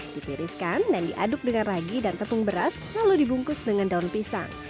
dipiriskan dan diaduk dengan ragi dan tepung beras lalu dibungkus dengan daun pisang